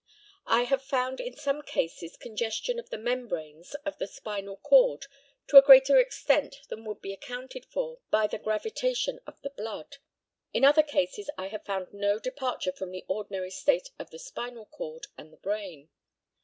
I have found in some cases congestion of the membranes of the spinal cord to a greater extent than would be accounted for by the gravitation of the blood. In other cases I have found no departure from the ordinary state of the spinal cord and the brain.